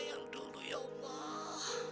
yang dulu ya allah